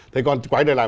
thế còn quay lại lại